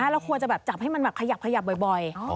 เราควรจะแบบจับให้มันแบบขยับขยับบ่อย